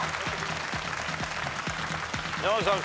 山崎さん